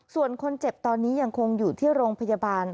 ส่วนคนเจ็บตอนนี้ยังคงอยู่ที่โรงพยาบาล